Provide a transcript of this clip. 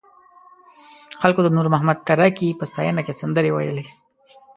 خلکو د نور محمد تره کي په ستاینه کې سندرې ویلې.